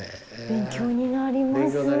勉強になりますね。